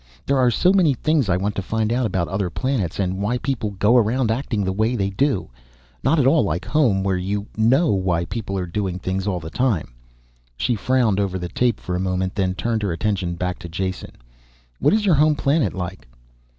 There are so many things I want to find out about other planets, and why people go around acting the way they do. Not at all like home where you know why people are doing things all the time." She frowned over the tape for a moment, then turned her attention back to Jason. "What is your home planet like?"